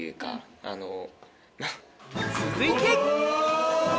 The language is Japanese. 続いてお！